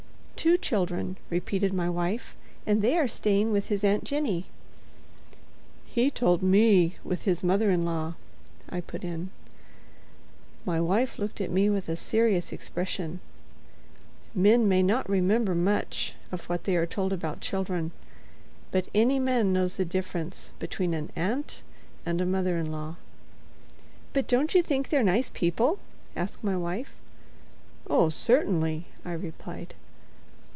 "Two children," repeated my wife; "and they are staying with his aunt Jenny." "He told me with his mother in law," I put in. My wife looked at me with a serious expression. Men may not remember much of what they are told about children; but any man knows the difference between an aunt and a mother in law. "But don't you think they're nice people?" asked my wife. "Oh, certainly," I replied.